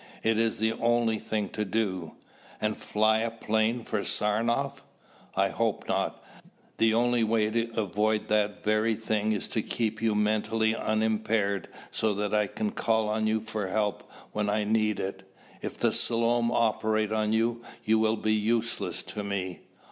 It is the only thing to do." "And fly a plane for Saranoff?" "I hope not. The only way to avoid that very thing is to keep your mentality unimpaired so that I can call on you for help when I need it. If the Selom operate on you, you will be useless to me."